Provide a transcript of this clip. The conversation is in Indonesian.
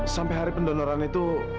sampai hari pendonoran itu